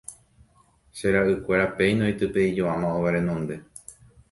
Che ra'ykuéra péina oitypeijoáma óga renonde.